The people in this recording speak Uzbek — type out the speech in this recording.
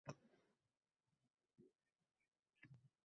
— xususiy mulkchilikka erkinlik bergan edi.